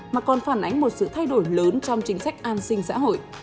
mà còn phản ánh một sự thay đổi lớn trong chính sách an sinh xã hội